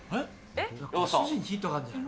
ご主人にヒントあるんじゃない？